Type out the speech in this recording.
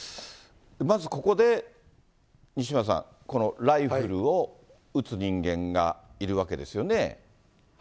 まずここで西村さん、ライフルを撃つ人間がいるわけですよね。